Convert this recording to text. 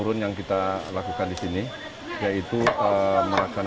aduker yang mencoba menteri mesyuarat di jawa berhasil berkata kata mend suzanne khazik khan